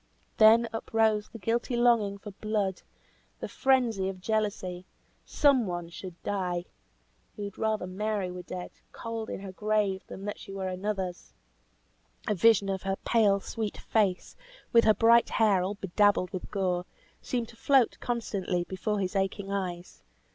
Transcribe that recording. Then uprose the guilty longing for blood! The frenzy of jealousy! Some one should die. He would rather Mary were dead, cold in her grave, than that she were another's. A vision of her pale, sweet face, with her bright hair all bedabbled with gore, seemed to float constantly before his aching eyes.